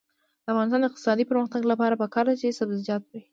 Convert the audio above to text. د افغانستان د اقتصادي پرمختګ لپاره پکار ده چې سبزیجات وي.